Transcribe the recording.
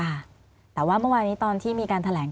ค่ะแต่ว่าเมื่อวานี้ตอนที่มีการแถลง